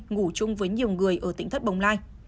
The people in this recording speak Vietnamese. ngủ chung với nhiều người ở tỉnh thất bồng lai